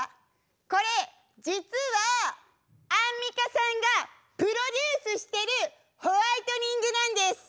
これ実はアンミカさんがプロデュースしてるホワイトニングなんです。